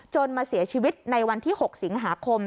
มาเสียชีวิตในวันที่๖สิงหาคม